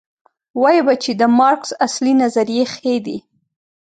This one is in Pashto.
وایو به چې د مارکس اصلي نظریې ښې دي.